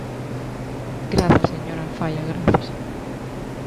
Grazas, señora Alfaia, grazas.